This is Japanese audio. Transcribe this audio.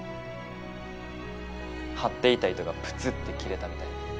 張っていた糸がプツッと切れたみたいに。